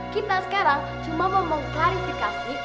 kita sekarang cuma mau mengklarifikasi